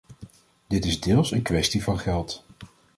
Dit is deels een kwestie van geld.